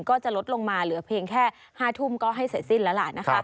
ก็จะลดลงมาเหลือเพียงแค่๕ทุ่มก็ให้เสร็จสิ้นแล้วล่ะนะคะ